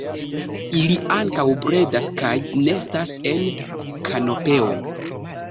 Ili ankaŭ bredas kaj nestas en kanopeo.